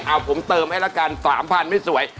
เอาผมเติมให้ละกัน๓๐๐ไม่สวย